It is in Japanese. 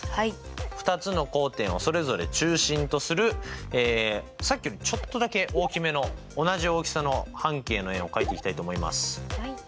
２つの交点をそれぞれ中心とするさっきよりちょっとだけ大きめの同じ大きさの半径の円を書いていきたいと思います。